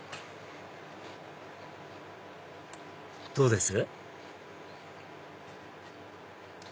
どうです？